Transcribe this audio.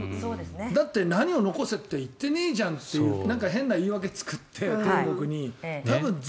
だって何を残せって言ってねえじゃんって変な言い訳を作って、天国に。